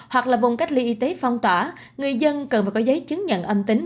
hoặc là vùng cách ly y tế phong tỏa người dân cần phải có giấy chứng nhận âm tính